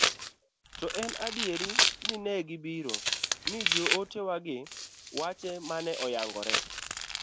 to en adiera ni negibiro ni joote wa gi weche mane oyangre